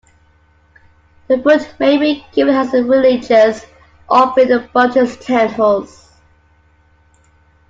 The fruit may be given as a religious offering in Buddhist temples.